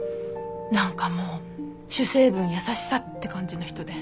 何かもう「主成分優しさ」って感じの人で。